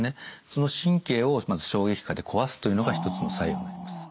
その神経をまず衝撃波で壊すというのが一つの作用になります。